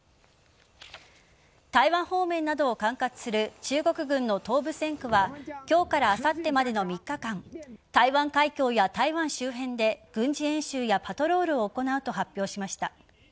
台湾方面などを管轄する中国軍の東部戦区は今日からあさってまでの３日間台湾海峡や台湾周辺で軍事演習やパトロールを行うと発表しました。